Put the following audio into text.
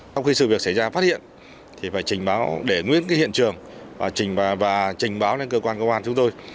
sau khi sự việc xảy ra phát hiện thì phải trình báo để nguyên cái hiện trường và trình báo đến cơ quan công an chúng tôi